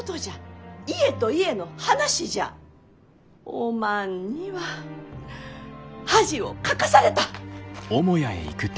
おまんには恥をかかされた！